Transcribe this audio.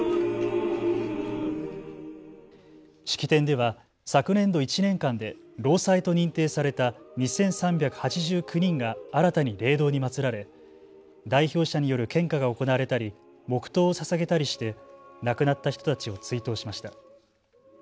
式典では昨年度１年間で労災と認定された２３８９人が新たに霊堂にまつられ代表者による献花が行われたり黙とうをささげたりして亡くなった人たちを追悼しました。